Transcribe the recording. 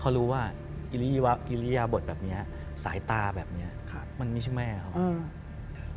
เขารู้ว่าอิริยบทแบบนี้สายตาแบบนี้มันไม่ใช่แม่เขา